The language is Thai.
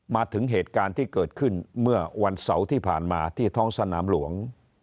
มาถึงเหตุการณ์ที่เกิดขึ้นเมื่อวันเสาร์ที่ผ่านมาที่ท้องสนามหลวง